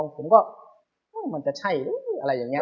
ผมก็มันจะใช่อะไรอย่างนี้